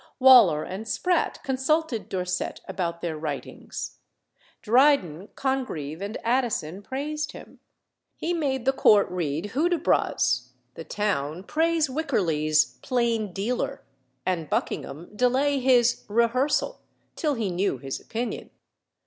Waller and Sprat consulted Dorset about their writings. Dryden, Congreve, and Addison praised him. He made the court read Hudibras, the town praise Wycherly's "Plain Dealer," and Buckingham delay his "Rehearsal" till he knew his opinion.